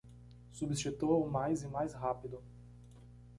Substitua-o mais e mais rápido